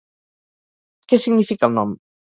Què significa el nom?